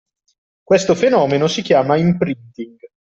Questo fenomeno si chiama imprinting.